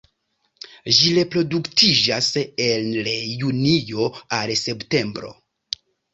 Ĝi reproduktiĝas el junio al septembro.